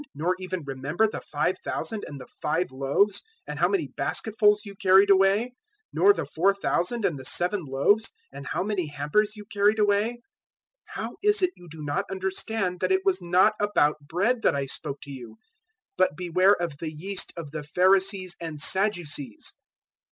nor even remember the 5,000 and the five loaves, and how many basketfuls you carried away, 016:010 nor the 4,000 and the seven loaves, and how many hampers you carried away? 016:011 How is it you do not understand that it was not about bread that I spoke to you? But beware of the yeast of the Pharisees and Sadducees."